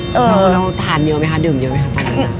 เราทานเยอะไหมคะดื่มเยอะไหมคะตอนนั้น